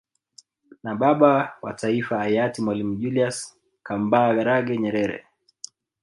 Na Baba wa Taifa hayati Mwalimu Julius Kambarage Nyerere